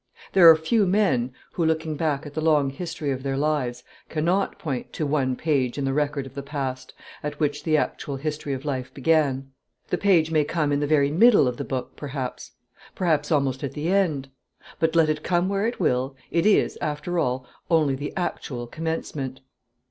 There are few men who, looking back at the long story of their lives, cannot point to one page in the record of the past at which the actual history of life began. The page may come in the very middle of the book, perhaps; perhaps almost at the end. But let it come where it will, it is, after all, only the actual commencement.